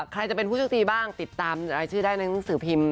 ใครจะเป็นผู้โชคดีบ้างติดตามรายชื่อได้ในหนังสือพิมพ์